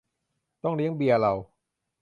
ต้องเลี้ยงเบียร์เรา